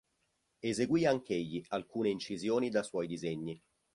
Eseguì anch'egli alcune incisioni da suoi disegni.